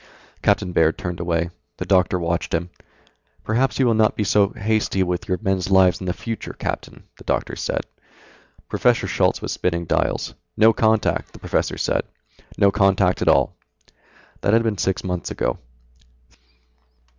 Captain Baird turned away. The doctor watched him. "Perhaps you will not be quite so hasty with your men's lives in the future, Captain?" the doctor said. Professor Schultz was spinning dials. "No contact," the professor said, "No contact at all." That had been six months ago.